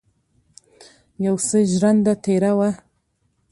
یو څه ژرنده تېره وه.